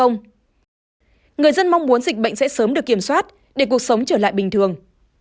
người dân mong muốn dịch bệnh sẽ sớm được kiểm soát để cuộc sống trở lại bình thường